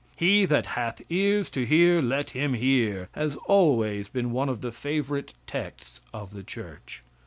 "He that hath ears to hear let him hear," has always been one of the favorite texts of the church.